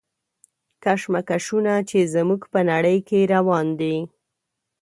کشمکشونه چې زموږ په نړۍ کې روان دي.